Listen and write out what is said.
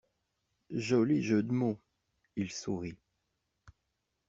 Joli jeu de mots. Il sourit.